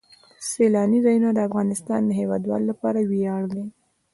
سیلانی ځایونه د افغانستان د هیوادوالو لپاره ویاړ دی.